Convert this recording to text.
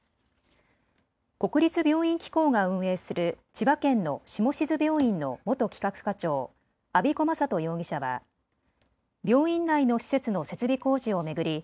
国立病院機構が運営する千葉県の下志津病院の元企画課長、安彦昌人容疑者は病院内の施設の設備工事を巡り